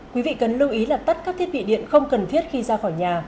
quý vị cần lưu ý là tắt các thiết bị điện không cần thiết khi ra khỏi nhà